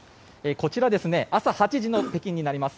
こちら朝８時の北京になります。